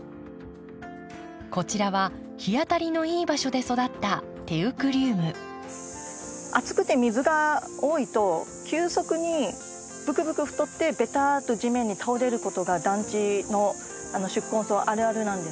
こちらは日当たりのいい場所で育った暑くて水が多いと急速にぶくぶく太ってべたっと地面に倒れることが暖地の宿根草あるあるなんですよね。